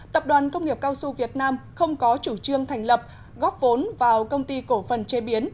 tập đoàn công nghiệp cao su việt nam không có chủ trương thành lập góp vốn vào công ty cổ phần chế biến